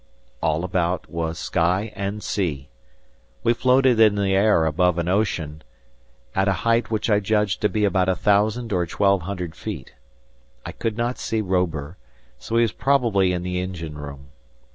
All about was sky and sea. We floated in the air above an ocean, at a height which I judged to be about a thousand or twelve hundred feet. I could not see Robur, so he was probably in the engine room.